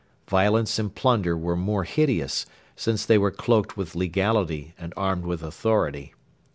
Violence and plunder were more hideous, since they were cloaked with legality and armed with authority.